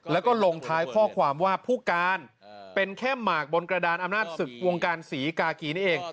แล้วก็ลงท้ายข้อความว่าผู้การเป็นแค่หมากบนกระดานอำนาจศึกวงการศรีกากีนี่เอง